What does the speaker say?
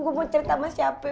gue mau cerita sama siapa